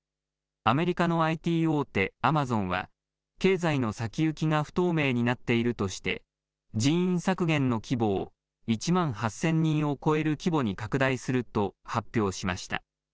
アメリカのＩＴ大手、アマゾンは、経済の先行きが不透明になっているとして、人員削減の規模を１万８０００人を超える規模に拡大すると発表しました。